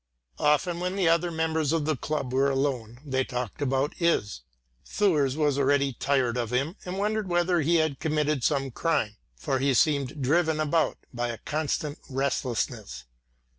Often when the other members of the club were alone, they talked about Is. Thurs was already tired of him and wondered whether he had committed some crime, for he seemed driven about by a constant restlessness.